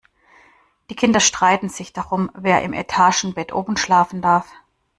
Die Kinder streiten sich darum, wer im Etagenbett oben schlafen darf.